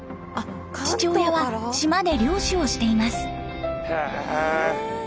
父親は島で漁師をしています。